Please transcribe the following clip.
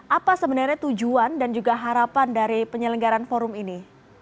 apa sebenarnya tujuan dan juga harapan dari penyelenggaran forum ini